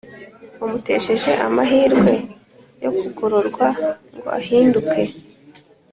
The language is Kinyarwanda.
umutesheje amahirwe yo kugororwa ngo ahinduke